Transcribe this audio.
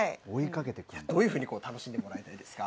どういうふうに楽しんでもらいたいですか。